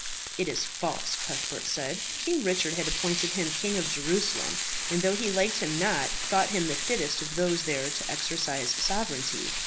"It is false," Cuthbert said. "King Richard had appointed him King of Jerusalem; and, though he liked him not, thought him the fittest of those there to exercise sovereignty.